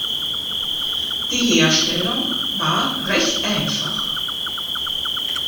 Die Herstellung war recht einfach.